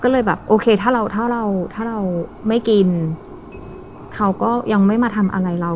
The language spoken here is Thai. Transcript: ก็เลยแบบโอเคถ้าเราถ้าเราถ้าเราไม่กินเขาก็ยังไม่มาทำอะไรเรา